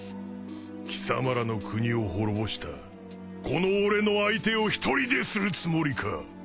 貴様らの国を滅ぼしたこの俺の相手を一人でするつもりか！？